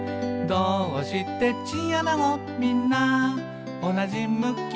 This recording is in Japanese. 「どーうしてチンアナゴみんなおなじ向き？」